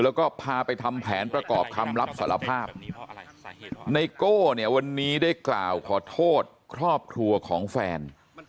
แล้วก็พาไปทำแผนประกอบคำรับสารภาพไนโก้เนี่ยวันนี้ได้กล่าวขอโทษครอบครัวของแฟน